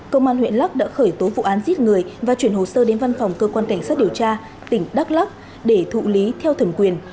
công an huyện lắc đã khởi tố vụ án giết người và chuyển hồ sơ đến văn phòng cơ quan cảnh sát điều tra tỉnh đắk lắc để thụ lý theo thẩm quyền